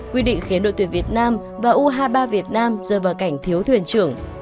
quy định khiến đội tuyển việt nam và u hai mươi ba việt nam rơi vào cảnh thiếu thuyền trưởng